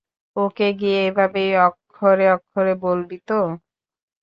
ওকে গিয়ে এভাবেই অক্ষরে অক্ষরে বলবি তো?